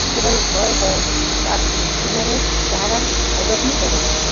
কেবল ভয় হয় পাছে বিভাকে তাহারা অযত্ন করে।